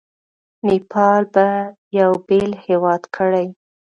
نیپال به یو بېل هیواد کړي.